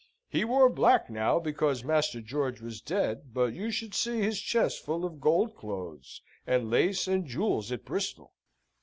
He wore black now, because Master George was dead; but you should see his chests full of gold clothes, and lace, and jewels at Bristol.